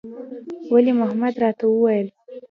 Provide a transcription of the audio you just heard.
ولي محمد راته وويل.